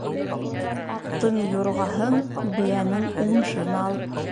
Аттың юрғаһын, бейәнең уңышын ал.